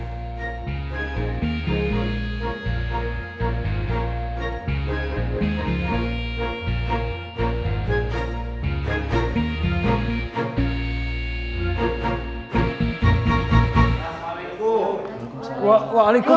tunggu aku mau ke rumah mama selep